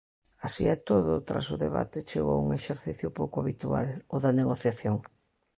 Así e todo, tras o debate chegou un exercicio pouco habitual, o da negociación.